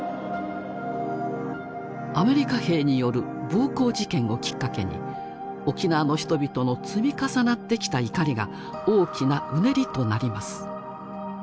アメリカ兵による暴行事件をきっかけに沖縄の人々の積み重なってきた怒りが大きなうねりとなります。